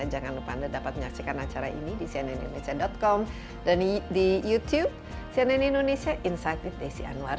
jangan lupa anda dapat menyaksikan acara ini di cnnindonesia com dan di youtube cnn indonesia insight with desi anwar